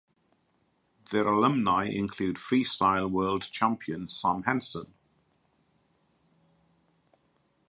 Their alumni include Freestyle World Champion Sam Henson.